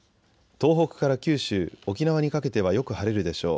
東北から九州、沖縄にかけてはよく晴れるでしょう。